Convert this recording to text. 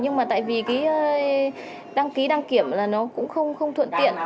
nhưng mà tại vì cái đăng ký đăng kiểm là nó cũng không thuận tiện